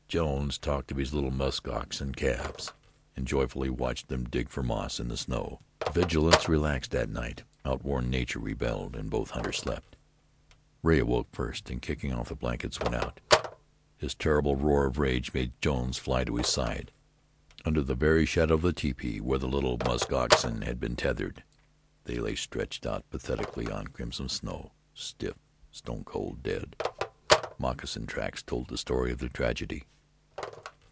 Jones talked of his little musk oxen calves and joyfully watched them dig for moss in the snow. Vigilance relaxed that night. Outworn nature rebelled, and both hunters slept. Rea awoke first, and kicking off the blankets, went out. His terrible roar of rage made Jones fly to his side. Under the very shadow of the tepee, where the little musk oxen had been tethered, they lay stretched out pathetically on crimson snow stiff stone cold, dead. Moccasin tracks told the story of the tragedy.